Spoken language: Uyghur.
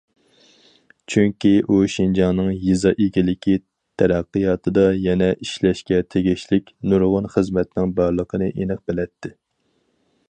چۈنكى ئۇ شىنجاڭنىڭ يېزا ئىگىلىكى تەرەققىياتىدا يەنە ئىشلەشكە تېگىشلىك نۇرغۇن خىزمەتنىڭ بارلىقىنى ئېنىق بىلەتتى.